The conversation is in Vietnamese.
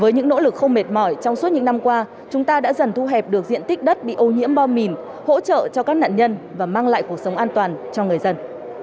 với những nỗ lực không mệt mỏi trong suốt những năm qua chúng ta đã dần thu hẹp được diện tích đất bị ô nhiễm bom mìn hỗ trợ cho các nạn nhân và mang lại cuộc sống an toàn cho người dân